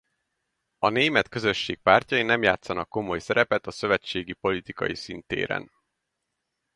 A német közösség pártjai nem játszanak komoly szerepet a szövetségi politikai színtéren.